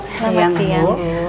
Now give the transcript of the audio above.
selamat siang bu